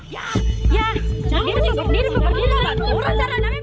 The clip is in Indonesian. ya ya jangan berdiri berdiri berdiri